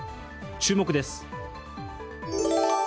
注目です。